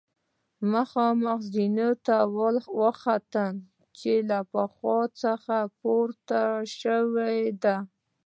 مخامخ زینې ته وختلم چې له پخوا څخه پورته شوې ده.